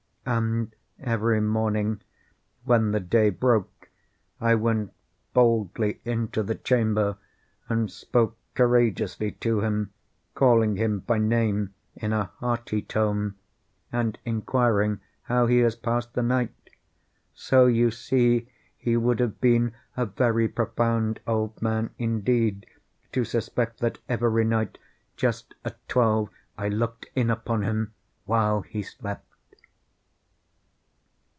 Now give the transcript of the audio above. And every morning, when the day broke, I went boldly into the chamber, and spoke courageously to him, calling him by name in a hearty tone, and inquiring how he has passed the night. So you see he would have been a very profound old man, indeed, to suspect that every night, just at twelve, I looked in upon him while he slept.